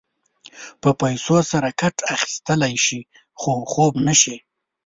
په پیسو سره کټ اخيستلی شې خو خوب نه شې.